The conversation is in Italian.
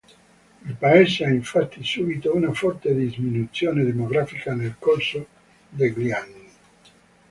Il paese ha infatti subito una forte diminuzione demografica nel corso degli anni.